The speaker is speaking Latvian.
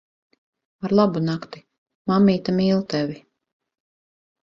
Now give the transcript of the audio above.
Arlabunakti. Mammīte mīl tevi.